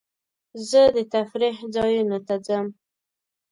زه د تفریح ځایونو ته ځم.